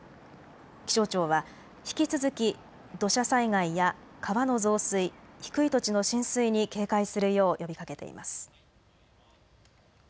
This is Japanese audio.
気象庁は引き続き土砂災害や川の増水、低い土地の浸水に警戒するよう呼びかけています。